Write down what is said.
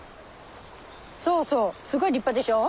そうそうすごい立派でしょ？